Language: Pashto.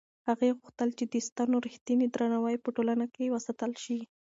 هغې غوښتل چې د سنتو رښتینی درناوی په ټولنه کې وساتل شي.